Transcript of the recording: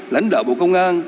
lãnh đạo bộ công an